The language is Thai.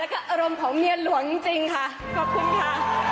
แล้วก็อารมณ์ของเมียหลวงจริงค่ะขอบคุณค่ะ